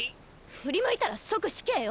振り向いたら即死刑よ。